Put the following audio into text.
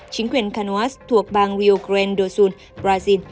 chính quyền canoas thuộc bang rio grande do sul brazil